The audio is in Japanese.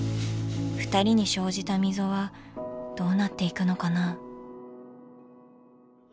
ふたりに生じた溝はどうなっていくのかな？